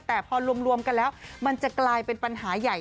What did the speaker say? แต่พอรวมกันแล้วมันจะกลายเป็นปัญหาใหญ่